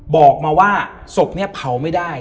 บอกมาว่าศพเนี่ยเผาไม่ได้